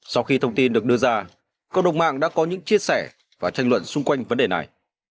sau khi thông tin được đưa ra cộng đồng mạng đã có những chia sẻ và tranh luận xung quanh vấn đề này